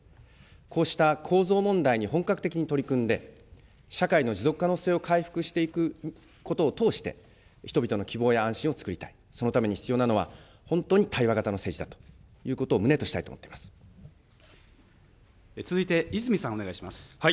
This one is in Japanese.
こうした構造問題に本格的に取り組んで、社会の持続可能性を回復していくことを通して、人々の希望や安心をつくりたい、そのために必要なのは、本当に対話型の政治だということを旨としたいと思っています。